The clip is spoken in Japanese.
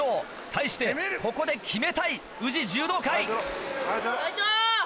対してここで決めたい宇治柔道会。